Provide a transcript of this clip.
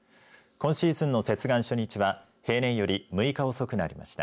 今シーズンの接岸初日は平年より６日遅くなりました。